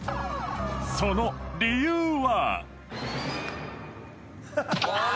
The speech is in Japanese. その理由は？